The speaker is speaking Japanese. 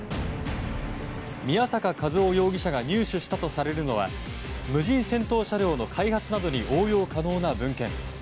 宮坂和雄容疑者が入手したとされるのは無人戦闘車両の開発などに応用可能な文献。